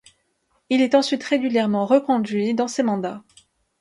Il est ensuite régulièrement reconduit dans ces mandats.